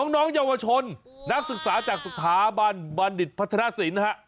น้องยาวชนนักศึกษาจากศึกษาบรรดิบันนิตพัฒนศ์ศิลป์